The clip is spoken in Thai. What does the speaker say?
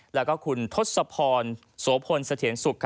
แล้วก็คุณทศพรโสพลเสถียรสุข